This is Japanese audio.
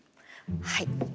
はい。